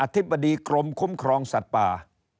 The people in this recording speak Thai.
ธิบดีกรมคุ้มครองสัตว์ป่า